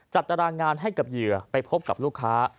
ตารางงานให้กับเหยื่อไปพบกับลูกค้า